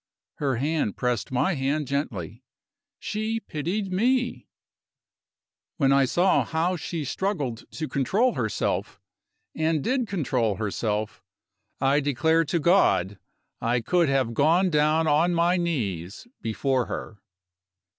Her hand pressed my hand gently she pitied me. When I saw how she struggled to control herself, and did control herself, I declare to God I could have gone down on my knees before her.